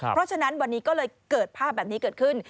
เพราะฉะนั้นวันนี้ก็เลยเกิดภาพแบบนี้เกิดขึ้น